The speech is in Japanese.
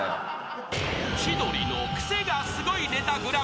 ［『千鳥のクセがスゴいネタＧＰ』］